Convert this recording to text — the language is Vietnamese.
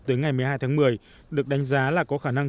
tới ngày một mươi hai tháng một mươi được đánh giá là có khả năng